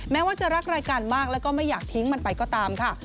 แม้ว่าจะรักรายการมากแล้วก็ไม่อยากทิ้งมันไปก็ตามค่ะ